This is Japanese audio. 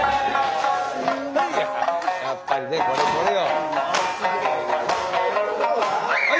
やっぱりねこれこれよ。